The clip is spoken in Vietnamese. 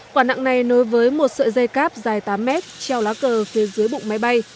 quả nặng này nối với một sợi dây cáp dài tám mét treo lá cờ phía dưới bụng máy bay